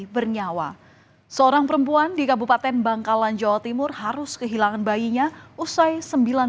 bernyawa seorang perempuan di kabupaten bangkalan jawa timur harus kehilangan bayinya usai